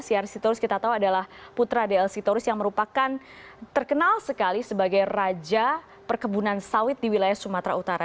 siar sitorus kita tahu adalah putra dl sitorus yang merupakan terkenal sekali sebagai raja perkebunan sawit di wilayah sumatera utara